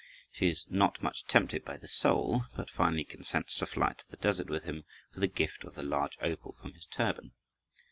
She is not much tempted by the soul, but finally consents to fly to the desert with him for the gift of the large opal from his turban.